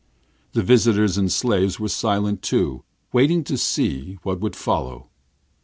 The visitors and the slaves were silent, too, waiting to see what would follow.